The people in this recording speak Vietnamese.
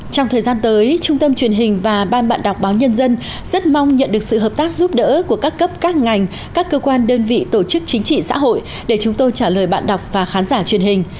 trong thời gian tới trung tâm truyền hình và ban bạn đọc báo nhân dân rất mong nhận được sự hợp tác giúp đỡ của các cấp các ngành các cơ quan đơn vị tổ chức chính trị xã hội để chúng tôi trả lời bạn đọc và khán giả truyền hình